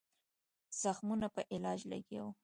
زخمونو په علاج لګیا وو.